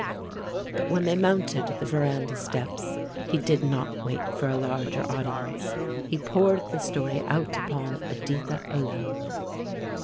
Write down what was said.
But when they mounted the veranda steps he did not wait for a larger audience; he poured the story out upon Editha alone.